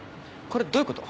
これどういうこと？